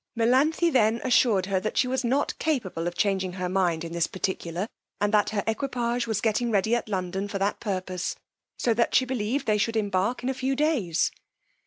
Melanthe then assured her that she was not capable of changing her mind in this particular, and that her equipage was getting ready at London for that purpose, so that she believed they should embark in a few days.